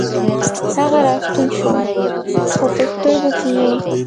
هغه راستون شو، خوپه سترګوکې یې